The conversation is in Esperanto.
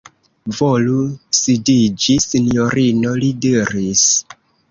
Volu sidiĝi, sinjorino, li diris.